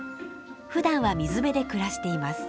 ふだんは水辺で暮らしています。